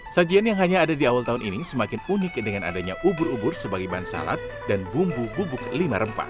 sajian yang hanya ada di awal tahun ini semakin unik dengan adanya ubur ubur sebagai bahan salad dan bumbu bubuk lima rempah